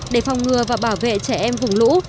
để phòng ngừa và bảo vệ trẻ em vùng lũ